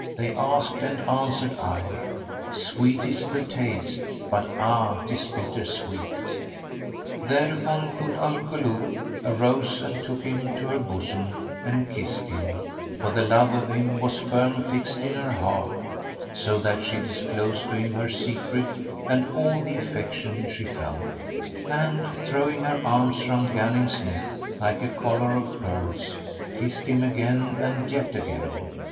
They asked and answered I, * Sweet is the aste but ah! 'tis bitter sweet." Thereupon Kut al Kulub arose and took him to her bosom and kissed him; for the love of him was firm fixed in her heart, so that she disclosed to him her secret and all the affection she felt; and, throwing her arms round Ghanim's neck like a collar of pearls, kissed him again and yet again.